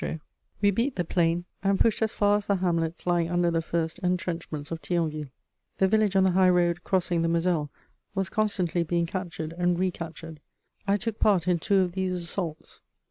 _"* [Sidenote: Fierce fighting.] We beat the plain and pushed as far as the hamlets lying under the first entrenchments of Thionville. The village on the high road crossing the Moselle was constantly being captured and recaptured. I took part in two of these assaults.